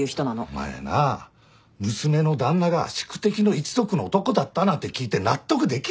お前な「娘の旦那が宿敵の一族の男だった」なんて聞いて納得できるか？